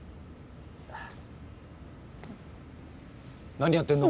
何やってんの？